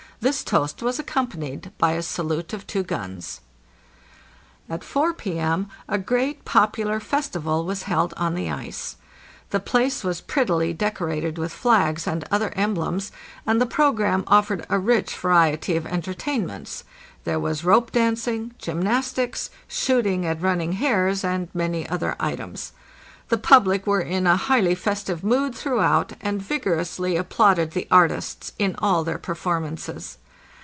This toast was accompanied by a salute of two guns. At 4 P.M. a great popular festival was held on the ice. The place was prettily decorated with flags and other emblems, and the programme offered a rich variety of entertainments. There was rope dancing, gymnastics, shooting at running hares, and many other items. The public were in a highly festive mood throughout, and vigorously applauded the artists in all their per formances.